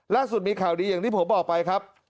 ล่าสุดมีข่าวดีอย่างที่ผมบอกไปครับ